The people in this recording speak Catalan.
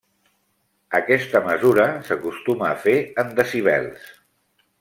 Aquesta mesura s'acostuma a fer en decibels.